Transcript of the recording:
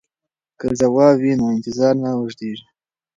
که ځواب وي نو انتظار نه اوږدیږي.